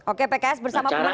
oke pks bersama pemenang